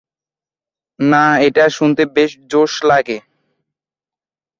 না, এটা শুনতে বেশ জোস লাগে।